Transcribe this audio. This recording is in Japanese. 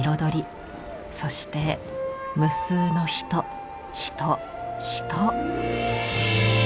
そして無数の人人人。